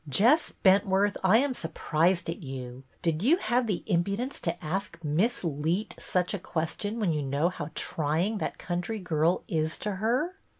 "Jess Bentworth, I am surprised at you. Did you have the im23udence to ask Miss Leet such a question when you know how trying that country girl is to her